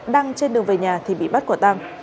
đăng trên đường về nhà thì bị bắt quả tăng